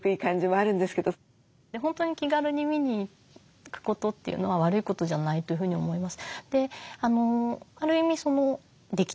本当に気軽に見に行くことっていうのは悪いことじゃないというふうに思います。